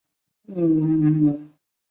室町时代江户时代昭和时期平成时期